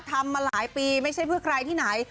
ทำมาหลายปีไม่ใช่เพื่อใครที่ไหน